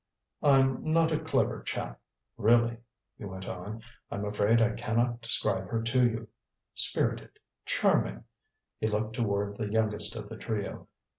"I'm not a clever chap really," he went on. "I'm afraid I can not describe her to you. Spirited charming " He looked toward the youngest of the trio.